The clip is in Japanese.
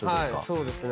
そうですね。